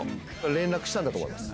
連絡したんだと思います